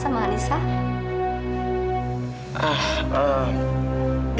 nampak gitu sekarang p frequent